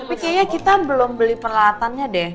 tapi kayaknya kita belum beli peralatannya deh